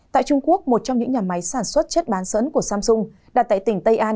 tại trung quốc một trong những nhà máy sản xuất chất bán dẫn của samsung đặt tại tỉnh tây an